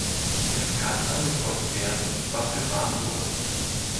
Es kann angekreuzt werden, was gefahren wurde.